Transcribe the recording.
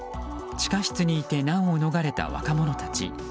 地下室にいて難を逃れた若者たち。